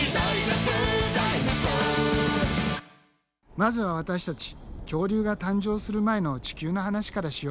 まずは私たち恐竜が誕生する前の地球の話からしよう。